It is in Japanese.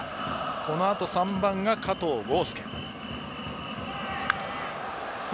このあと３番が加藤豪将。